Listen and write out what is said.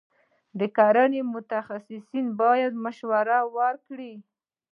د کرنې متخصصین باید مشورې ورکړي.